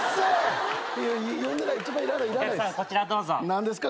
何ですか？